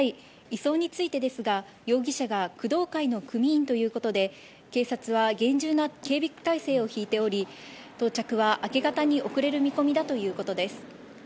移送についてですが、容疑者が工藤会の組員ということで警察は厳重な警備態勢を敷いており到着は明け方に遅れる見込みだということです。